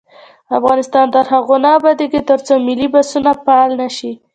افغانستان تر هغو نه ابادیږي، ترڅو ملي بسونه فعال نشي.